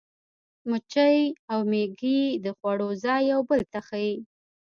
مچۍ او مېږي د خوړو ځای یو بل ته ښيي.